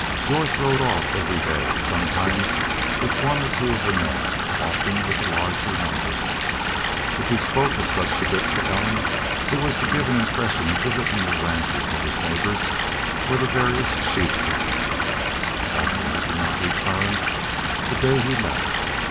Jorth rode off every day, sometimes with one or two of the men, often with a larger number. If he spoke of such trips to Ellen it was to give an impression of visiting the ranches of his neighbors or the various sheep camps. Often he did not return the day he left.